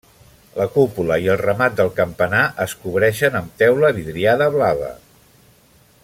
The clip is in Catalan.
La cúpula i el remat del campanar es cobreixen amb teula vidriada blava.